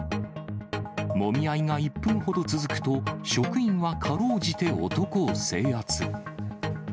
もみ合いが１分ほど続くと、職員はかろうじて男を制圧。